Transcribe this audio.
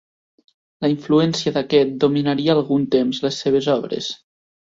La influència d'aquest dominaria algun temps les seves obres.